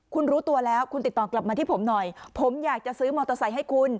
คุณรู้ตัวแล้วคุณติดต่อกลับมาที่ผมหน่อยผมอยากจะซื้อมอเตอร์ไซค์ให้คุณ